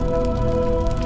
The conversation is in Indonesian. aku akan menang